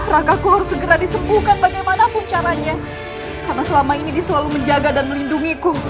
raka kau harus segera disembuhkan bagaimanapun caranya karena selama ini diselalu menjaga dan melindungiku